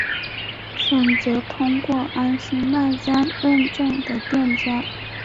选择通过安心卖家认证的店家